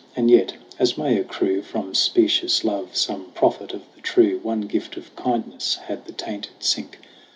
And yet, as may accrue From specious love some profit of the true, One gift of kindness had the tainted sink.